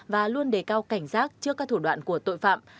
và luôn đề cao cảnh giác trước các thủ đoạn của tội phạm